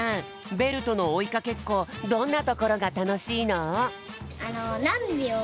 ベルとのおいかけっこどんなところがたのしいの？